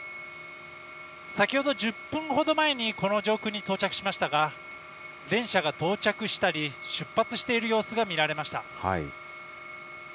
先ほど１０分ほど前に、この上空に到着しましたが、電車が到着したり、出発している様子が見られました。